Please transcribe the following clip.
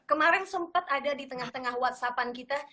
kemarin sempat ada di tengah tengah whatsappan kita